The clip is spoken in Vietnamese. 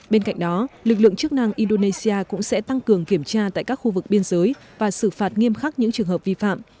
bên cạnh đó lực lượng chức năng indonesia cũng sẽ tăng cường kiểm tra tại các khu vực biên giới và xử phạt nghiêm khắc những trường hợp vi phạm